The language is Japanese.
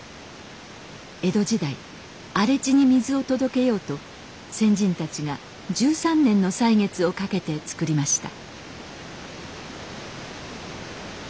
江戸時代荒れ地に水を届けようと先人たちが１３年の歳月をかけてつくりました。